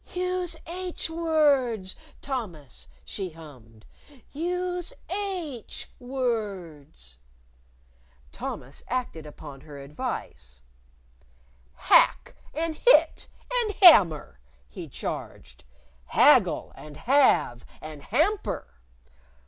"Use h words, Thomas!" she hummed. "Use h words!" Thomas acted upon her advice. "Hack and hit and hammer!" he charged. "Haggle and halve and hamper!